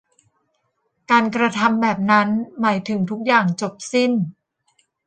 การกระทำแบบนั้นหมายถึงทุกอย่างจบสิ้น